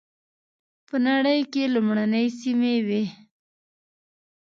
په نړۍ کې لومړنۍ سیمې وې.